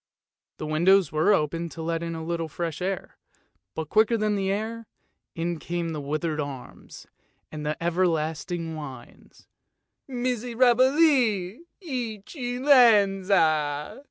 The windows were opened to let in a little fresh air, but quicker than the air, in came the withered arms and the ever lasting whines, " Miserabili, Eccellenza."